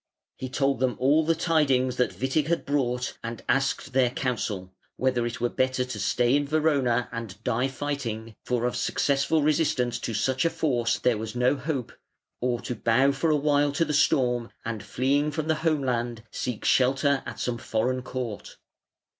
He told them all the tidings that Witig had brought and asked their counsel, whether it were better to stay in Verona and die fighting for of successful resistance to such a force there was no hope or to bow for a while to the storm and fleeing from the home land seek shelter at some foreign court.